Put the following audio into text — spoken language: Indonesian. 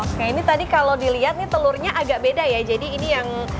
nah ini tadi kalau dilihat nih telurnya agak beda ya jadi ini yang